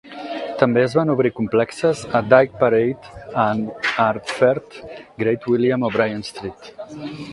També es van obrir complexes a Dyke Parade and Ardfert, Great William O'Brien Street.